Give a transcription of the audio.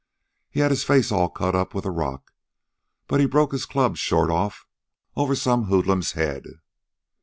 He had his face all cut up with a rock, but he broke his club short off over some hoodlum's head."